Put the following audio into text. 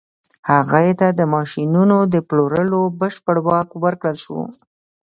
هغه ته د ماشينونو د پلورلو بشپړ واک ورکړل شو.